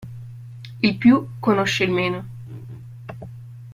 Il più conosce il meno.